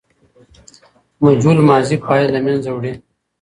مجهول ماضي فاعل له منځه وړي.